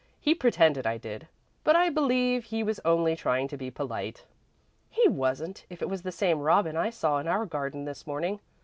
"He pretended I did, but I believe he was only trying to be polite." "He wasn't, if it was the same robin I saw in our garden this morning.